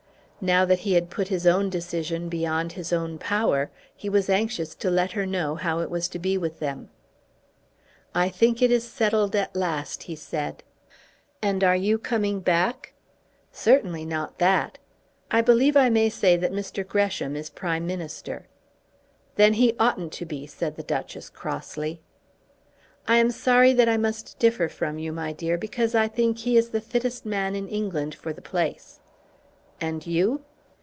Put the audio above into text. Now that he had put his own decision beyond his own power he was anxious to let her know how it was to be with them. "I think it is settled at last," he said. "And you are coming back?" "Certainly not that. I believe I may say that Mr. Gresham is Prime Minister." "Then he oughtn't to be," said the Duchess crossly. "I am sorry that I must differ from you, my dear, because I think he is the fittest man in England for the place." "And you?"